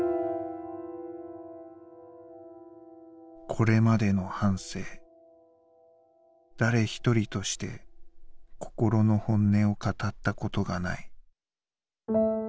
「これまでの半生誰ひとりとして心の本音を語ったことがない」。